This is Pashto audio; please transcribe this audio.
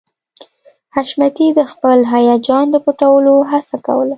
حشمتي د خپل هيجان د پټولو هڅه کوله